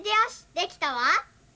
できたわ。